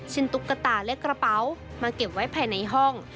ตุ๊กตาและกระเป๋ามาเก็บไว้ภายในห้อง